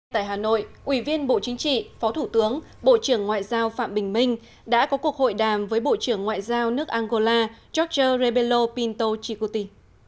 tại hà nội ủy viên bộ chính trị phó thủ tướng bộ trưởng ngoại giao phạm bình minh đã có cuộc hội đàm với bộ trưởng ngoại giao nước angola georgelo pinto chikuti